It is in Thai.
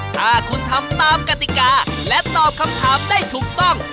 ถ้าคุณทำตามกติกาและตอบคำถามได้ถูกต้อง